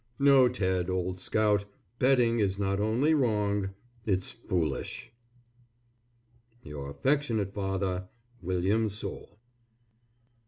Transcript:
No Ted, old scout, betting is not only wrong, it's foolish. Your affectionate father, WILLIAM SOULE.